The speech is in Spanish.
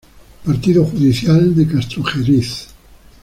Partido Judicial de Castrojeriz.